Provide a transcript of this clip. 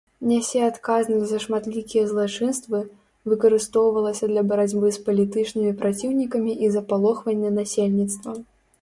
Нясе адказнасць за шматлікія злачынствы, выкарыстоўвалася для барацьбы з палітычнымі праціўнікамі і запалохвання насельніцтва.